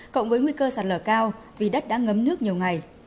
cộng với nguy cơ sạt lở cao vì đất đã ngấm nước nhiều ngày